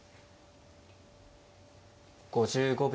５５秒。